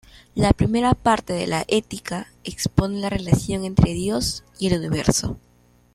La primera parte de la Ética expone la relación entre Dios y el universo.